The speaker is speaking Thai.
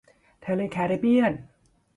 ทะเลแคริบเบียน